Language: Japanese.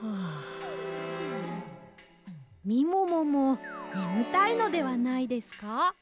みもももねむたいのではないですか？